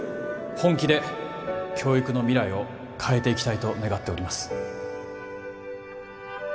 本気で教育の未来を変えていきたいと願っております